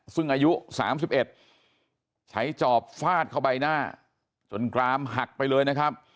ซึ่งอายุสามสิบเอ็ดใช้จอบฟาดเข้าไปหน้าจนกรามหักไปเลยนะครับ